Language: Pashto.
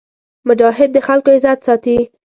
مجاهد د خلکو عزت ساتي.